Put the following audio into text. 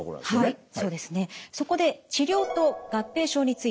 はい。